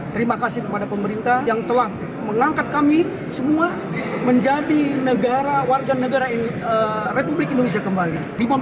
terima kasih kepada pemerintah yang telah mengangkat kami semua menjadi negara warga negara republik indonesia kembali